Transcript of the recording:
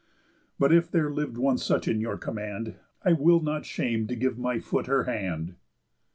But if there live one such in your command, I will not shame to give my foot her hand."